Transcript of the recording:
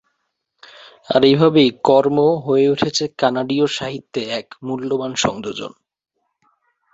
আর এভাবেই কর্ম হয়ে উঠেছে কানাডীয় সাহিত্যে এক মূল্যবান সংযোজন।